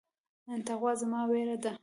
تقوا زما وريره ده.